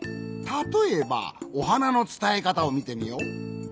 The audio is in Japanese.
たとえば「おはな」のつたえかたをみてみよう。